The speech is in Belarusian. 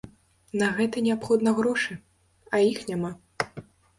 На гэта неабходна грошы, а іх няма.